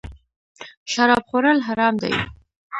شراب خوړل حرام دی